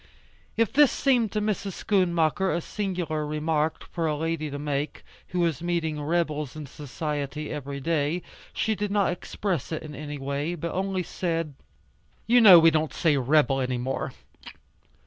If this seemed to Mrs. Schoonmaker a singular remark for a lady to make, who was meeting "rebels" in society every day, she did not express it in any way, but only said, "You know we don't say 'rebel' anymore.